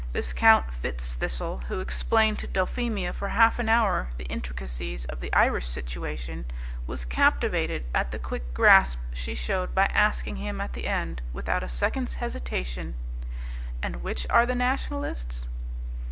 Viscount FitzThistle, who explained to Dulphemia for half an hour the intricacies of the Irish situation, was captivated at the quick grasp she showed by asking him at the end, without a second's hesitation, "And which are the Nationalists?"